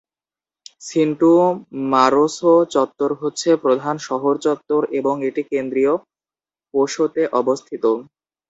সিন্টুউ মারোসো চত্বর হচ্ছে প্রধান শহর চত্বর এবং এটি কেন্দ্রীয় পোসোতে অবস্থিত।